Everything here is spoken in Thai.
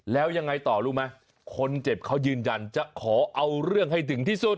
แล้วยังไงต่อรู้ไหมคนเจ็บเขายืนยันจะขอเอาเรื่องให้ถึงที่สุด